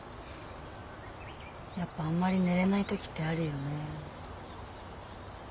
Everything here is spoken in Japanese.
やっぱあんまり寝れない時ってあるよね。